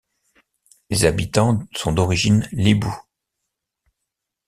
Les habitants sont d'origine léboue.